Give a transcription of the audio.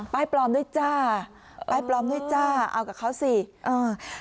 ปลอมด้วยจ้าป้ายปลอมด้วยจ้าเอากับเขาสิอ่า